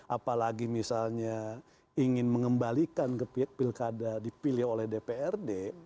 apalagi misalnya ingin mengembalikan ke pilkada dipilih oleh dprd